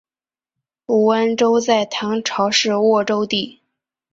武安州在唐朝是沃州地。